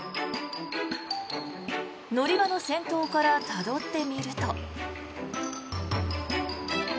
乗り場の先頭からたどってみると。